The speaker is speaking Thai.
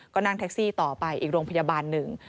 ก็นั่งแท็กซี่ต่อไปอีกโรงพยาบาลหนึ่ง